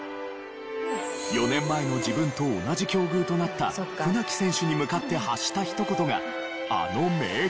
４年前の自分と同じ境遇となった船木選手に向かって発したひと言があの名言。